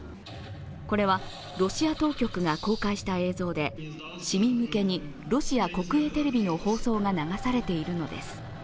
これはロシア当局が公開した映像で市民向けにロシア国営テレビの放送が流されているのです。